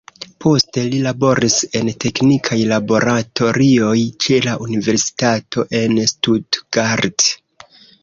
Poste li laboris en teknikaj laboratorioj ĉe la universitato en Stuttgart.